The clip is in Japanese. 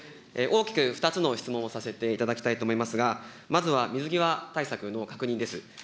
大きく２つの質問をさせていただきたいと思いますが、まずは水際対策の確認です。